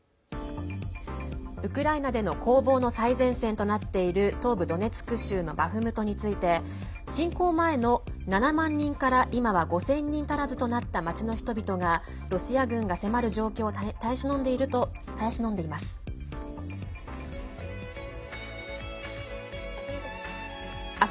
ウクライナでの攻防の最前線となっている東部ドネツク州のバフムトについて侵攻前の７万人から今は５０００人足らずとなった町の人々がロシア軍が迫る状況を耐え忍んでいます。